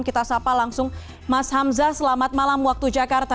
kita sapa langsung mas hamzah selamat malam waktu jakarta